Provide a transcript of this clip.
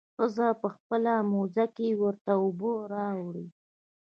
ښځه په خپله موزه کښې ورته اوبه راوړي.